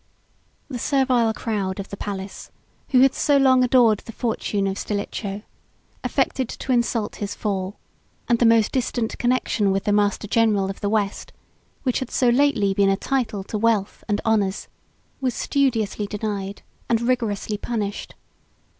] The servile crowd of the palace, who had so long adored the fortune of Stilicho, affected to insult his fall; and the most distant connection with the master general of the West, which had so lately been a title to wealth and honors, was studiously denied, and rigorously punished.